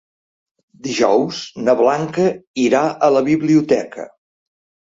Dijous na Blanca irà a la biblioteca.